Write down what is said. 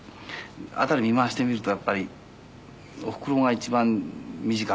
辺り見回してみるとやっぱりおふくろが一番身近な人だしね。